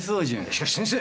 しかし先生。